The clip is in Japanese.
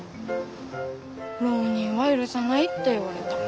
浪人は許さないって言われた。